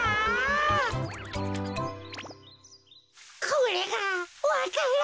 これがわか蘭。